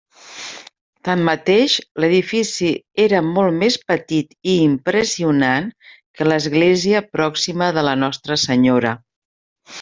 Tanmateix, l'edifici era molt més petit i impressionant que l'església pròxima de la Nostra Senyora.